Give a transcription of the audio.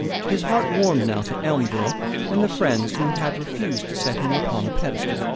His heart warmed now to Elmville and the friends who had refused to set him upon a pedestal.